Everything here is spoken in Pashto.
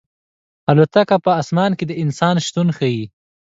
الوتکه په اسمان کې د انسان شتون ښيي.